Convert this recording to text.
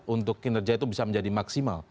untuk kinerja itu bisa menjadi maksimal